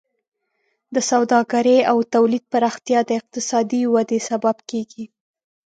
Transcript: د سوداګرۍ او تولید پراختیا د اقتصادي وده سبب کیږي.